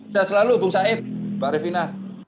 sehat selalu bung said mbak revina